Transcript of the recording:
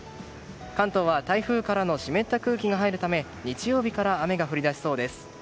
関東は台風からの湿った空気が入るため日曜日から雨が降り出しそうです。